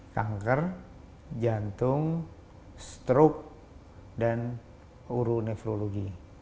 kanker jantung stroke dan uru nephrologi